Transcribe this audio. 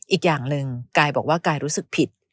อีกอย่างหนึ่งกายบอกว่ากายรู้สึกผิด